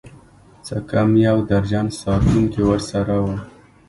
څه کم يو درجن ساتونکي ورسره وو.